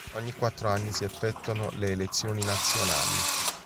Ogni quattro anni si effettuano le elezioni nazionali.